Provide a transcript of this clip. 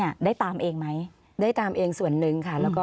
ขอบคุณครับ